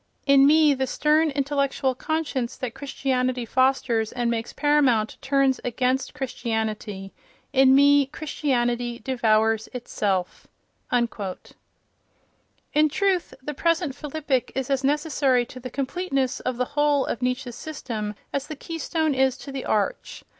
In me the stern intellectual conscience that Christianity fosters and makes paramount turns against Christianity. In me Christianity ... devours itself." In truth, the present philippic is as necessary to the completeness of the whole of Nietzsche's system as the keystone is to the arch.